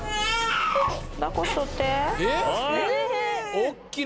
おっきな。